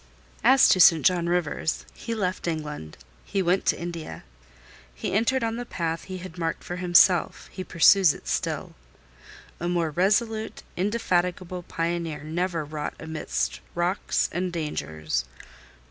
As to St. John Rivers, he left England: he went to India. He entered on the path he had marked for himself; he pursues it still. A more resolute, indefatigable pioneer never wrought amidst rocks and dangers.